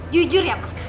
jujur ya mas